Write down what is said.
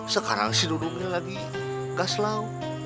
sekarang sih dulu lagi gak selalu